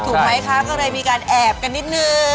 ถูกไหมคะก็เลยมีการแอบกันนิดนึง